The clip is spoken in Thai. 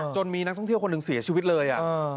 มีนักท่องเที่ยวคนหนึ่งเสียชีวิตเลย